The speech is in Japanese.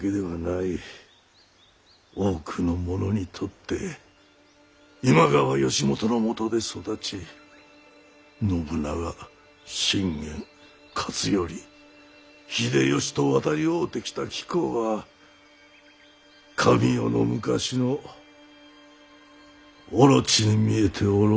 多くの者にとって今川義元のもとで育ち信長信玄勝頼秀吉と渡り合うてきた貴公は神代の昔のオロチに見えておろう。